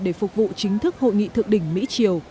để phục vụ chính thức hội nghị thượng đỉnh mỹ triều